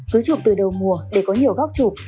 cứ chụp từ đầu mùa để có nhiều góc chụp